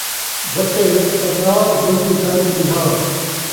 وٹے ءِچ پرناء ، ولدی در تے ٻلھا